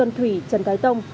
anh chấp hành được không ạ